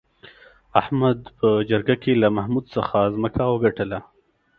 احمد په جرگه کې له محمود څخه ځمکه وگټله